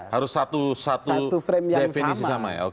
harus satu definisi sama ya